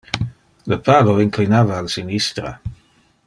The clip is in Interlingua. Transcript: Le palo inclinava al sinistra.